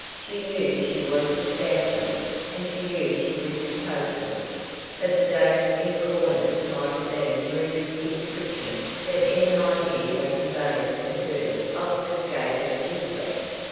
She knew she was to stamp them and she knew she was to post them, but the dates in the corners might have been runic inscriptions for any idea they conveyed to her obfuscated intellect.